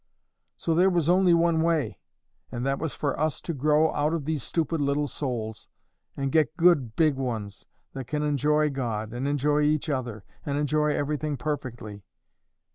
So there was only one way, and that was for us to grow out of these stupid little souls, and get good big ones, that can enjoy God, and enjoy each other, and enjoy everything perfectly."